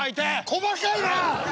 細かいな！